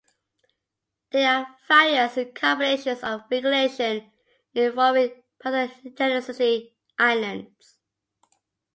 There are various combinations of regulation involving pathogenicity islands.